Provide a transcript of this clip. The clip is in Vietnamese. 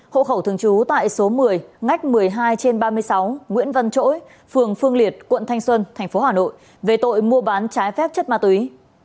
hộ khẩu thường trú tại số một mươi ngách một mươi hai trên ba mươi sáu nguyễn văn chỗi phường phương liệt quận thanh xuân tp hà nội về tội mua bán trái phép chất ma túy